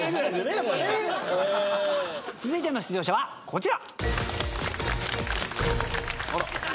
続いての出場者はこちら。